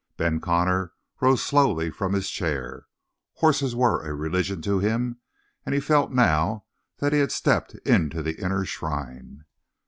Ben Connor rose slowly from his chair. Horses were religion to him; he felt now that he had stepped into the inner shrine.